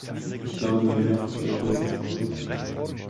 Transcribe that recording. Ich glaube, meine Mehrfachsteckdose ist kaputt.